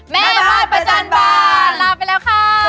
เวลาที่ต้องกดแล้ว